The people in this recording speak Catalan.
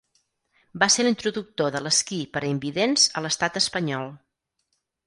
Va ser l'introductor de l'esquí per a invidents a l'estat espanyol.